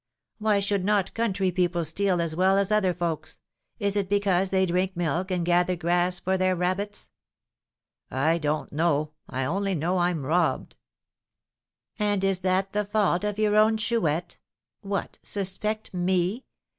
"Why should not country people steal as well as other folks? Is it because they drink milk and gather grass for their rabbits?" "I don't know. I only know I'm robbed." "And is that the fault of your own Chouette? What! suspect me?